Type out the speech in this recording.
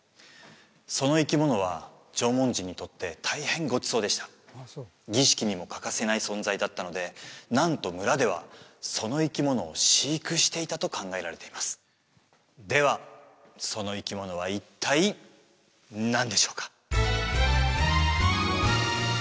その生き物は縄文人にとって大変ごちそうでした儀式にも欠かせない存在だったので何とムラではその生き物を飼育していたと考えられていますではその生き物は一体何でしょうか？